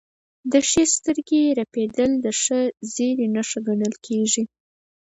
د ښي سترګې رپیدل د ښه زیری نښه ګڼل کیږي.